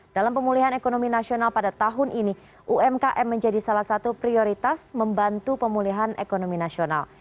dalam pemulihan ekonomi nasional pada tahun ini umkm menjadi salah satu prioritas membantu pemulihan ekonomi nasional